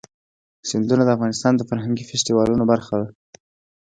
سیندونه د افغانستان د فرهنګي فستیوالونو برخه ده.